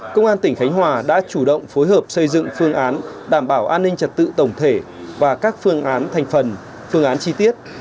công an tỉnh khánh hòa đã chủ động phối hợp xây dựng phương án đảm bảo an ninh trật tự tổng thể và các phương án thành phần phương án chi tiết